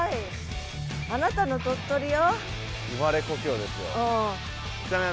あなたの鳥取よ。